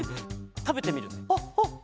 たべてみるね。